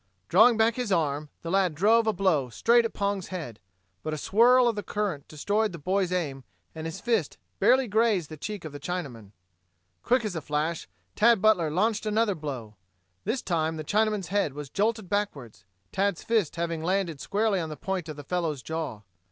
Drawing back his arm, the lad drove a blow straight at Pong's head, but a swirl of the current destroyed the boy's aim and his fist barely grazed the cheek of the Chinaman. Quick as a flash, Tad Butler launched another blow. This time the Chinaman's head was jolted backwards, Tad's fist having landed squarely on the point of the fellow's jaw.